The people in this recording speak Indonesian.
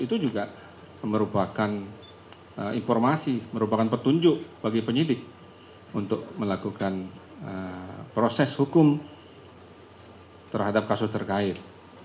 itu juga merupakan informasi merupakan petunjuk bagi penyidik untuk melakukan proses hukum terhadap kasus terkait